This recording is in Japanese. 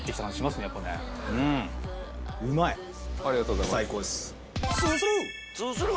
ありがとうございます。